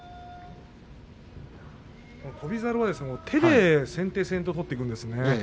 翔猿は手で先手先手を取っていくんですね。